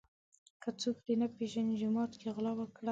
ـ که څوک دې نه پیژني جومات کې غلا وکړه.